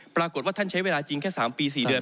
ปรากฏว่าท่านใช้เวลาจริงแค่๓ปี๔เดือน